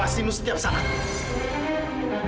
dan sekarang gue tambah yakin